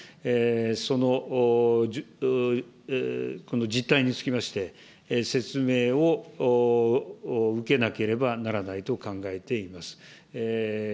その実態につきまして、説明を受けなければならないと考えています。